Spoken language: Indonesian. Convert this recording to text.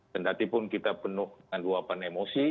tentatipun kita penuh dengan luapan emosi